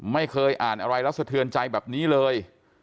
ไม่เคยอ่านอะไรแล้วสะเทือนใจแบบนี้เลย